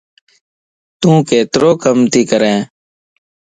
تون ڪيترو ڪم تي ڪرين؟